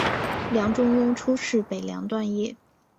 梁中庸初仕北凉段业。